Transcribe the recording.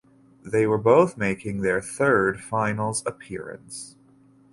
They were both making their third Finals appearance.